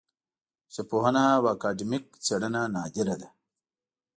ژبپوهنه او اکاډمیک څېړنه نادره ده